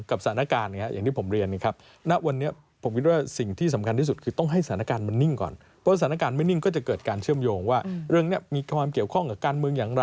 กับสถานการณ์เนี่ยอย่างที่ผมเรียน